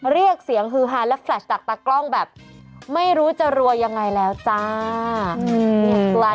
เรียกเสียงฮือฮาและแฟลชจากตากล้องแบบไม่รู้จะรวยยังไงแล้วจ้า